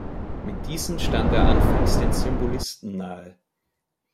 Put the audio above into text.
Mit diesen stand er anfangs den Symbolisten nahe.